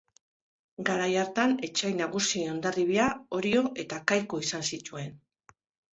Garai hartan etsai nagusi Hondarribia, Orio eta Kaiku izan zituen.